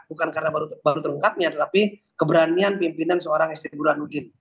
bukan karena baru terungkap tapi keberanian pimpinan seorang istri bura nugit